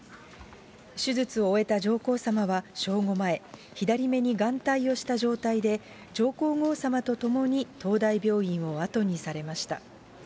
手術を終えた上皇さまは、正午前、左目に眼帯をした状態で、上皇后さまと共に東大病院を後にされました。